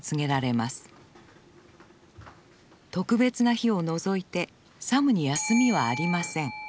特別な日を除いて作務に休みはありません。